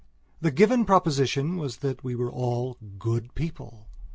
The given proposition was, that we were all "good people."